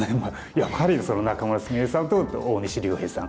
やっぱり仲邑菫さんと大西竜平さん。